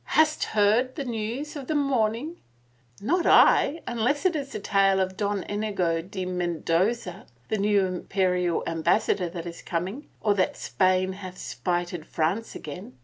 " Hast heard the news of the morning ?"" Not I — unless it is the tale of the Don Inigo de Mendoza, the new Imperial Ambassador that is coming. Or that Spain hath spited France again.